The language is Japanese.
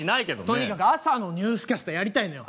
とにかく朝のニュースキャスターやりたいのよ。